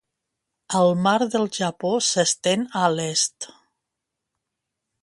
El mar del Japó s'estén a l'est.